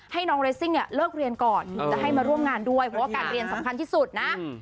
ให้น้องเรสซิ่งเนี่ยเลิกเรียนก่อนจะให้มาร่วมงานด้วยเพราะว่าการเรียนสำคัญที่สุดนะ